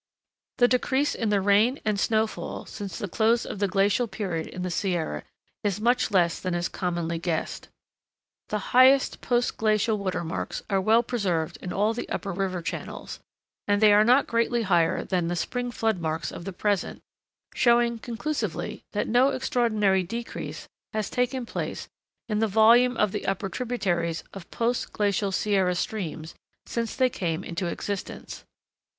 The decrease in the rain and snow fall since the close of the glacial period in the Sierra is much less than is commonly guessed. The highest post glacial watermarks are well preserved in all the upper river channels, and they are not greatly higher than the spring floodmarks of the present; showing conclusively that no extraordinary decrease has taken place in the volume of the upper tributaries of post glacial Sierra streams since they came into existence.